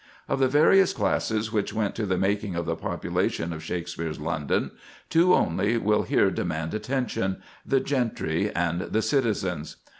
Of the various classes which went to the making of the population of Shakspere's London, two only will here demand attention—the gentry and the citizens.